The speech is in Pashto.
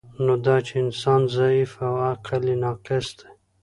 نو دا چی انسان ضعیف او عقل یی ناقص دی